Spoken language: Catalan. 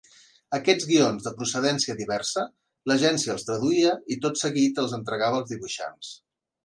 Aquests guions de procedència diversa, l'agència els traduïa i tot seguit els entregava als dibuixants.